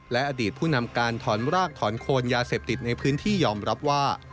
และอดีตผู้นำการถอนรากถอนโคนยาเสพติดในพื้นที่ยอมรับว่า